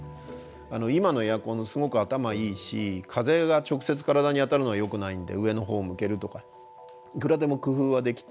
今のエアコンすごく頭いいし風が直接体に当たるのはよくないんで上のほうを向けるとかいくらでも工夫はできて。